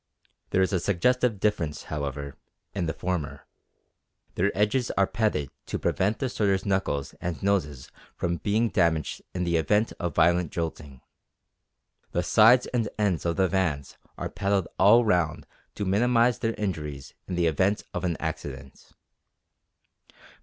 There is a suggestive difference, however, in the former. Their edges are padded to prevent the sorters' knuckles and noses from being damaged in the event of violent jolting. The sides and ends of the vans are padded all round to minimise their injuries in the event of an accident.